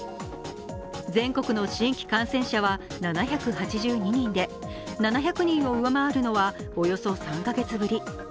全国の新規感染者は７８２人で７００人を上回るのはおよそ３カ月ぶり。